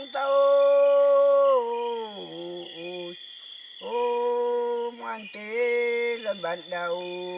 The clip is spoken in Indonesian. kami ingatkan kepada tuhan